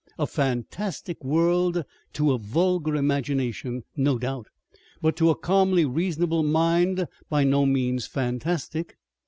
A fantastic world to a vulgar imagination, no doubt, but to a calmly reasonable mind by no means fantastic.